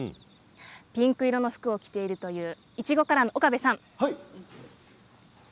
ピンク色の服を着ているといういちごカラーの岡部さん。